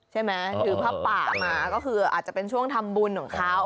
ใช่ไหมถือผ้าป่ามาก็คืออาจจะเป็นช่วงทำบุญของเขา